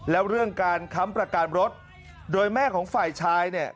แล้วเรื่องการค้ำประกันรถโดยแม่ของฝ่ายชายเนี่ย